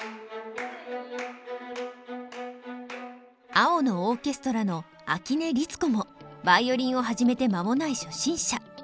「青のオーケストラ」の秋音律子もヴァイオリンを始めて間もない初心者。